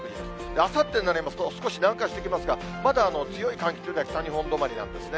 あさってになりますと、少し南下してきますが、まだ強い寒気というのは北日本止まりなんですね。